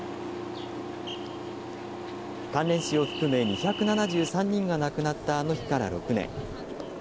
関連死を含め、２７３人が亡くなったあの日から６年。